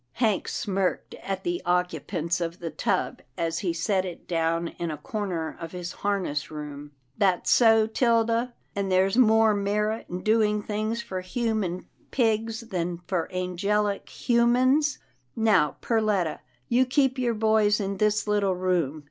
Hank smirked at the occupants of the tub as he set it down in a corner of his harness room. " That's so, 'Tilda, and there's more merit in do ing things for human pigs than for angelic hu mans — Now Perletta, you keep your boys in this little room.